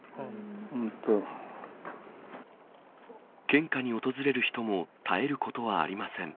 献花に訪れる人も絶えることはありません。